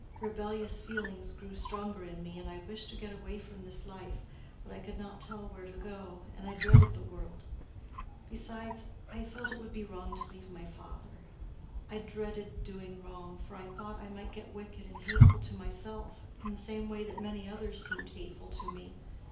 Rebellious feelings grew stronger in me, and I wished to get away from this life; but I could not tell where to go, and I dreaded the world. Besides, I felt it would be wrong to leave my father: I dreaded doing wrong, for I thought I might get wicked and hateful to myself, in the same way that many others seemed hateful to me.